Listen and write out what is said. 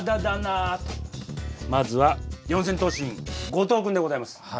まずは四千頭身後藤君でございます。